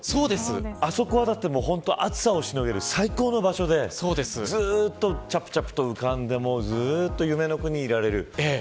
あそこは、暑さをしのげる最高の場所でずっとちゃぷちゃぷと浮かんでずっと夢の国にいられる。